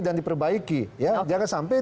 dan diperbaiki jangan sampai